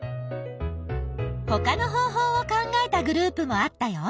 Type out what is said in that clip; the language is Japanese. ほかの方法を考えたグループもあったよ。